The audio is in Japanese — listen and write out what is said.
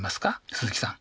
鈴木さん。